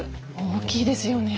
大きいですよね